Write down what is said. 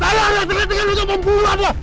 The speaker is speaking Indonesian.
saya ada sedang untuk membunuh anda